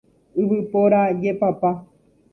Yvypóra jepapa.